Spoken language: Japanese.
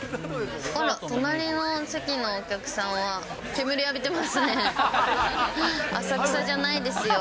あら、隣の席のお客さんは、煙浴びてますね。